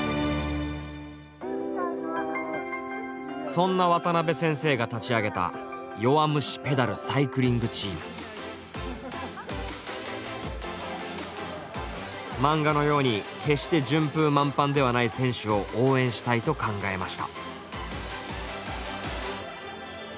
そんな渡辺先生が立ち上げた漫画のように決して順風満帆ではない選手を応援したいと考えました。